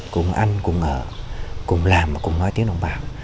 cùng ăn cùng ở cùng làm cùng nói tiếng đồng bảo